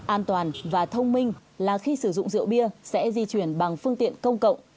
an toàn và thông minh là khi sử dụng rượu bia sẽ di chuyển bằng phương tiện công cộng